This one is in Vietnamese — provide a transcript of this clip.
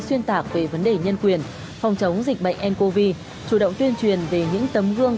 xuyên tạc về vấn đề nhân quyền phòng chống dịch bệnh ncov chủ động tuyên truyền về những tấm gương